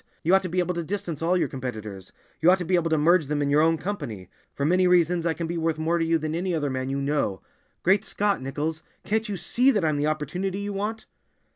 You ought to be able to distance all your competitors; you ought to be able to merge them in your own company. For many reasons I can be worth more to you than any other man you know. Great Scott, Nichols, can't you see that I'm the opportunity you want?"